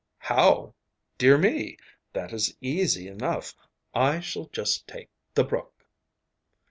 'How? Dear me, that is easy enough! I shall just take the brook!